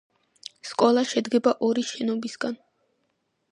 სკოლა შედგება ორი შენობისგან.